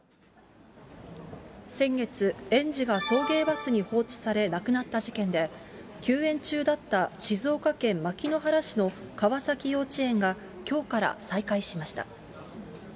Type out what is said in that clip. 先月、園児が送迎バスに放置され、亡くなった事件で、休園中だった静岡県牧之原市の川崎幼稚園がきょうから再開しました。